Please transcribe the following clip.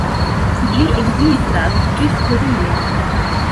Ĝi ekzistas ĝis hodiaŭ.